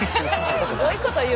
すごいこと言う。